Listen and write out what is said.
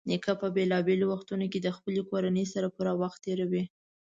نیکه په بېلابېلو وختونو کې د خپلې کورنۍ سره پوره وخت تېروي.